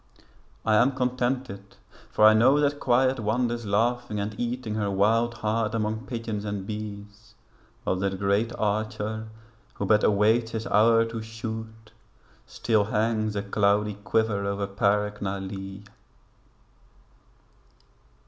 I am contented for I know that Quiet Wanders laughing and eating her wild heart Among pigeons and bees, while that Great Archer, Who but awaits His hour to shoot, still hangs A cloudy quiver over Parc na Lee.